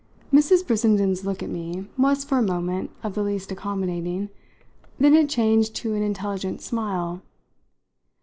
Mrs. Brissenden's look at me was for a moment of the least accommodating; then it changed to an intelligent smile.